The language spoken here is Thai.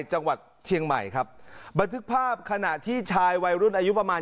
จังหวัดเชียงใหม่ครับบันทึกภาพขณะที่ชายวัยรุ่นอายุประมาณ